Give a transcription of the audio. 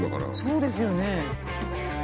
そうですよね。